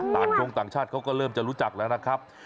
ชงต่างชาติเขาก็เริ่มจะรู้จักแล้วนะครับ